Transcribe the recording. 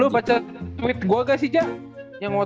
lu baca tweet gue nggak sih jat